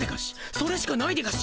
それしかないでガシ。